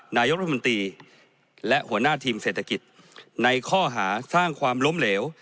นายกรัฐมนตรีและหัวหน้าทีมเศรษฐกิจในข้อหาสร้างความล้มเหลว